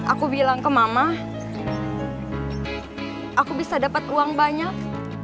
aku bilang ke mama aku bisa dapat uang banyak